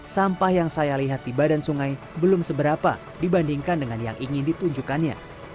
sampah yang saya lihat di badan sungai belum seberapa dibandingkan dengan yang ingin ditunjukkannya